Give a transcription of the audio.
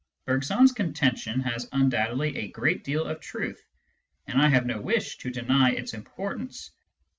Bergson's contention has undoubtedly a great deal of truth, and I have no wish to deny its importance.